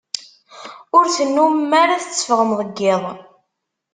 Ur tennumem ara tetteffɣem deg iḍ.